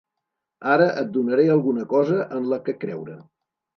Ara et donaré alguna cosa en la que creure.